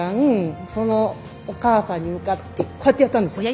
そのお母さんに向かってこうやってやったんですよ。